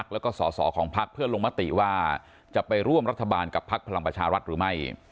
แล้วก็สอสอของพักเพื่อลงมติว่าจะไปร่วมรัฐบาลกับพักพลังประชารัฐหรือไม่